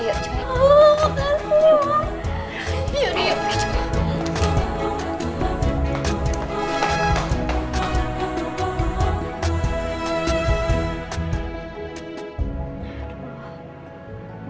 yaudah ayo cepet aja